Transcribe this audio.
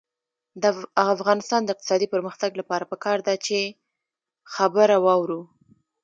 د افغانستان د اقتصادي پرمختګ لپاره پکار ده چې خبره واورو.